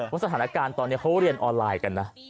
สถานการณ์ตอนนี้เขาเรียนออนไลน์กันนะ